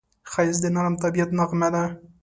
ښایست د نرم طبیعت نغمه ده